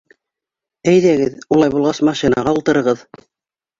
Әйҙәгеҙ, улай булғас машинаға ултырығыҙ.